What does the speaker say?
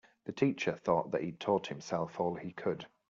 The teacher thought that he'd taught himself all he could.